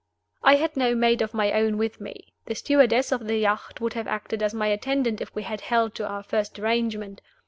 I had no maid of my own with me: the stewardess of the yacht would have acted as my attendant if we had held to our first arrangement.